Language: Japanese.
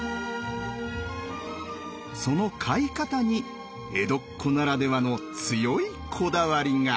その飼い方に江戸っ子ならではの強いこだわりが！